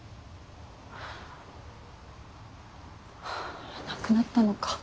あ亡くなったのか。